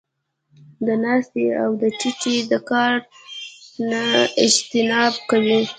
د ناستې او د ټيټې د کار نۀ اجتناب کوي -